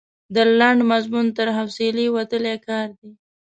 د یو لنډ مضمون تر حوصلې وتلی کار دی.